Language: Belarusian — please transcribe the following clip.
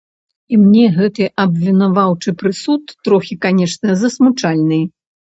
І мне гэты абвінаваўчы прысуд трохі, канечне, засмучальны.